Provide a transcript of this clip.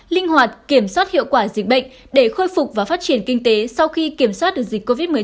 linh hoạt kiểm soát hiệu quả dịch bệnh để khôi phục và phát triển kinh tế sau khi kiểm soát được dịch covid một mươi chín